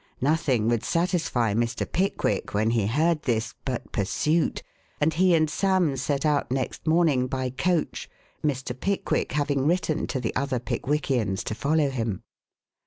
Nothing would satisfy Mr. Pickwick, when he heard this, but pursuit, and he and Sam set out next morning by coach, Mr. Pickwick having written to the other Pickwickians to follow him.